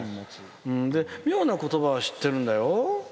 妙な言葉は知ってるんだよ。